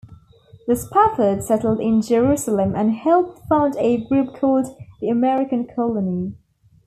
The Spaffords settled in Jerusalem and helped found a group called the American Colony.